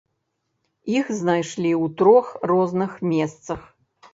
Іх знайшлі ў трох розных месцах.